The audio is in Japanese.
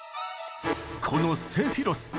このセフィロス